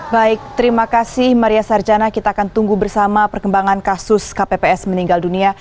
baik terima kasih maria sarjana kita akan tunggu bersama perkembangan kasus kpps meninggal dunia